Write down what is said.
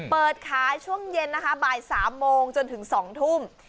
เปิดขายช่วงเย็นนะคะบ่าย๓โมงจนถึง๒ทุ่ม